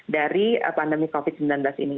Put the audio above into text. dari pandemi covid sembilan belas ini